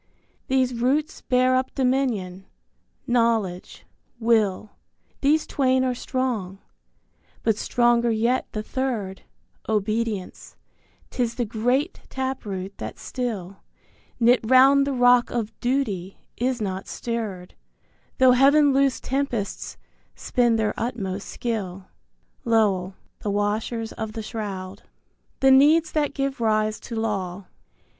These roots bear up Dominion: Knowledge, Will, These twain are strong, but stronger yet the third, Obedience, 'tis the great tap root that still, Knit round the rock of Duty, is not stirred, Though Heaven loosed tempests spend their utmost skill. Lowell (The Washers of the Shroud). I. THE NEEDS THAT GIVE RISE TO LAW.